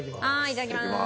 いただきます。